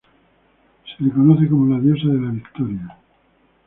Se le conoce como La Diosa de la Victoria.